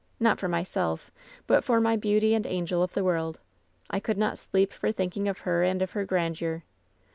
Not for myself, but for my beauty and angel of the world. I could not sleep for thinking of her and of her grandeur.